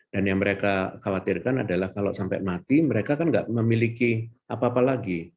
dan yang mereka khawatirkan adalah kalau sampai mati mereka kan nggak memiliki apa apa lagi